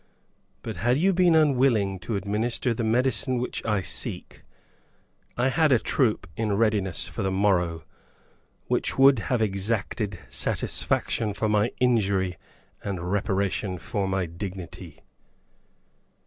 But had you been unwilling to administer the medicine which I seek, I had a troop in readiness for the morrow, which would have exacted satisfaction for my injury and reparation for my dignity!